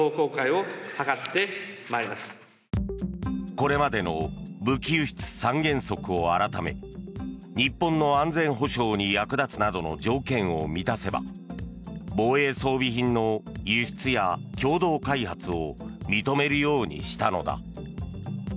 これまでの武器輸出三原則を改め日本の安全保障に役立つなどの条件を満たせば防衛装備品の輸出や共同開発を認めるようにしたのだ。